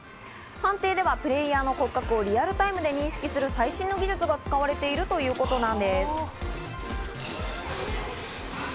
判定ではプレーヤーの骨格をリアルタイムで認識する最新技術が使われているということなんです。